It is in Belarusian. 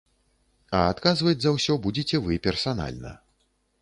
А адказваць за ўсё будзеце вы персанальна.